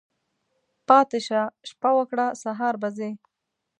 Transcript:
پاتی شه، شپه وکړه ، سهار به ځی.